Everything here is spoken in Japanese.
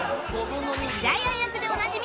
ジャイアン役でおなじみ